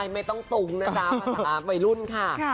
ไม่ต้องตุ้งนะจ๊ะภาษาวัยรุ่นค่ะ